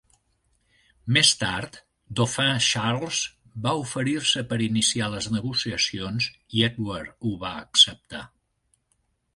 Més tard, Dauphin Charles va oferir-se per iniciar les negociacions i Edward ho va acceptar.